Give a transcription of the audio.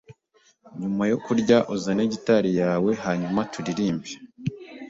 Nyuma yo kurya, uzane gitari yawe hanyuma turirimbe.